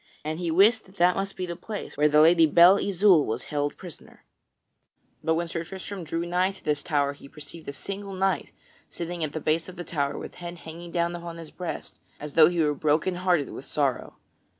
And he wist that that must be the place where the Lady Belle Isoult was held prisoner. [Sidenote: Sir Tristram finds Sir Palamydes in the forest] But when Sir Tristram drew nigh to this tower he perceived a single knight sitting at the base of the tower with head hanging down upon his breast as though he were broken hearted with sorrow.